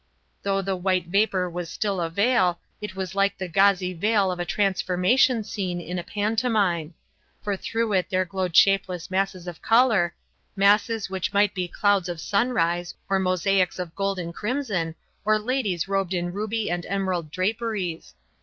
Though the white vapour was still a veil, it was like the gauzy veil of a transformation scene in a pantomime; for through it there glowed shapeless masses of colour, masses which might be clouds of sunrise or mosaics of gold and crimson, or ladies robed in ruby and emerald draperies.